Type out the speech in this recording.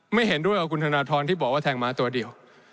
ไม่เห็นด้วยกับคุณธนทรที่บอกว่าแทงหมาตัวเดียว